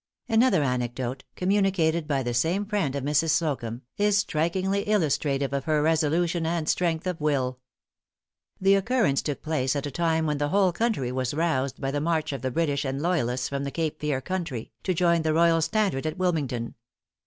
Another anecdote, communicated by the same friend of Mrs. Slocumb, is strikingly illustrative of her resolution and strength of will. The occurrence took place at a time when the whole country was roused by the march of the British and loyalists from the Cape Fear country, to join the royal standard at Wilmington.